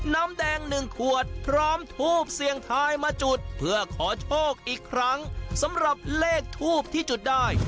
น้ำแดงหนึ่งขวดพร้อมทูบเสี่ยงทายมาจุดเพื่อขอโชคอีกครั้งสำหรับเลขทูบที่จุดได้